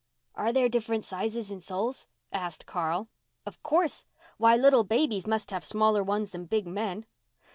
"Are there different sizes in souls?" asked Carl. "Of course. Why, little babies must have smaller ones than big men.